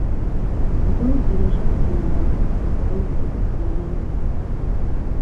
زۆر درێژه مهکهنهوه له قسه و له بوختانە